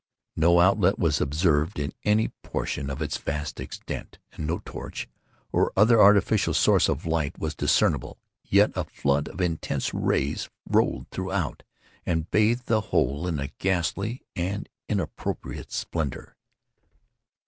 No outlet was observed in any portion of its vast extent, and no torch, or other artificial source of light was discernible; yet a flood of intense rays rolled throughout, and bathed the whole in a ghastly and inappropriate splendor.